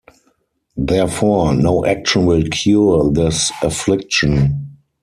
Therefore, no action will cure this affliction.